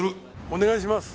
お願いします。